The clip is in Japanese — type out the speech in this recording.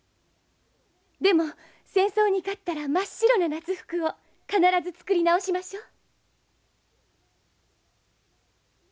でも戦争に勝ったら真っ白な夏服を必ず作り直しましょう。